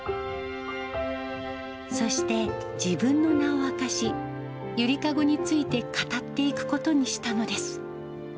そして、自分の名を明かし、ゆりかごについて語っていくことにしたのです。